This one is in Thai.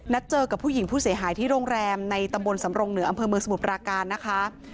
เจอกับผู้หญิงผู้เสียหายที่โรงแรมในตำบลสำรงเหนืออำเภอเมืองสมุทรปราการนะคะ